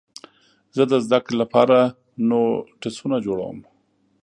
زه د زدهکړې لپاره نوټسونه جوړوم.